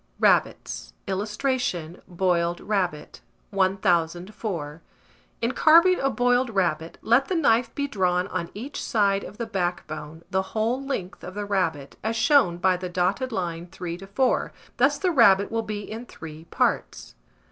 RABBITS. [Illustration: BOILED RABBIT.] 1004. In carving a boiled rabbit, let the knife be drawn on each side of the backbone, the whole length of the rabbit, as shown by the dotted line 3 to 4: thus the rabbit will be in three parts.